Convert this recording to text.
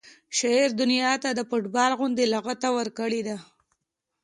شاعر دنیا ته د فټبال غوندې لغته ورکړې ده